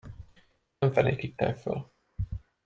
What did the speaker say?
Nem fenékig tejföl.